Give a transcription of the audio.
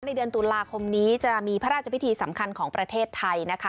เดือนตุลาคมนี้จะมีพระราชพิธีสำคัญของประเทศไทยนะคะ